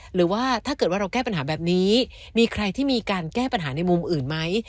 หรือว่าถ้าเกิดว่าเราแก้ปัญหาแบบนี้มีใครที่มีการแก้ปัญหาในมุมอื่นไหม